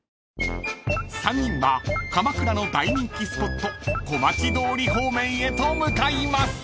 ［３人は鎌倉の大人気スポット小町通り方面へと向かいます］